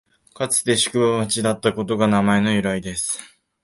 かつて宿場町だったことが名前の由来です